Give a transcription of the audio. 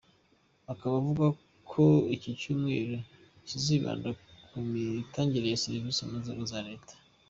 Akaba avuga ko iki cyumweru kizibanda ku mitangire ya serivice mu nzego za leta.